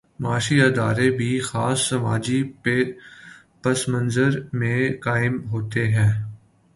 معاشی ادارے بھی خاص سماجی پس منظر میں قائم ہوتے ہیں۔